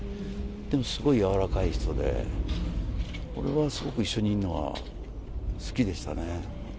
でもすごい柔らかい人で、俺はすごく一緒にいるのは好きでしたね。